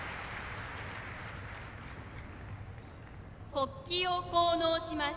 国旗を降納します。